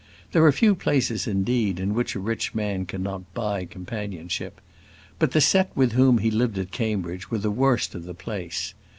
There are few places indeed in which a rich man cannot buy companionship. But the set with whom he lived at Cambridge were the worst of the place.